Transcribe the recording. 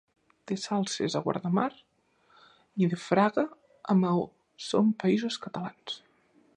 De Salses a Guardamar i de Fraga a Maó sem Països Catalans